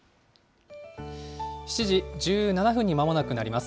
７時１７分にまもなくなります。